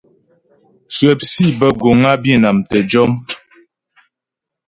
Mcwəp sǐ bə́ guŋ á Bǐnam tə́ jɔm.